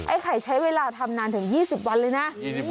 ไข่ใช้เวลาทำนานถึง๒๐วันเลยนะ